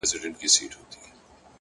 علم د عقل غذا ده!.